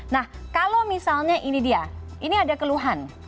nah kalau misalnya ini dia ini ada keluhan